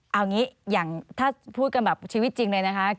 เอาอย่างนี้อย่างถ้าพูดกันแบบชีวิตจริงเลยนะคะ